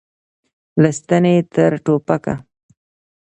له ستنې تر ټوپکه.